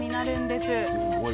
すごい。